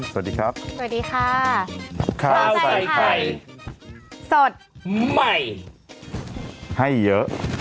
สวัสดีครับสวัสดีค่ะข้าวใส่ไข่สดใหม่ให้เยอะ